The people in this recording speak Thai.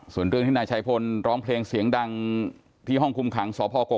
ส่วนเรื่องที่นายชัยพลร้องเพลงเสียงดังที่ห้องคุมขังสพกก